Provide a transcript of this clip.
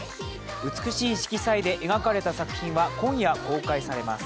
美しい色彩で描かれた作品は今夜公開されます。